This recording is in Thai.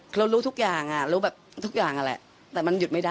เขารู้ทุกอย่างแบบทุกอย่างอันนั้นแหละ